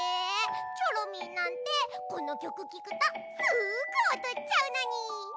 チョロミーなんてこのきょくきくとすぐおどっちゃうのに。